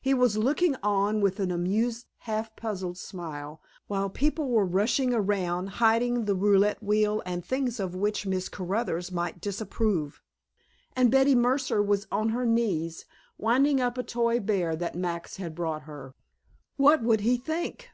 He was looking on with an amused, half puzzled smile, while people were rushing around hiding the roulette wheel and things of which Miss Caruthers might disapprove, and Betty Mercer was on her knees winding up a toy bear that Max had brought her. What would he think?